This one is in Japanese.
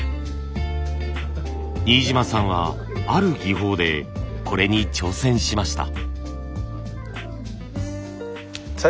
新島さんはある技法でこれに挑戦しました。